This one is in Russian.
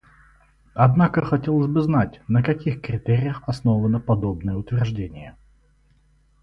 Однако хотелось бы знать, на каких критериях основано подобное утверждение.